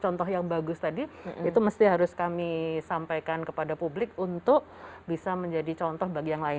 contoh yang bagus tadi itu mesti harus kami sampaikan kepada publik untuk bisa menjadi contoh bagi yang lain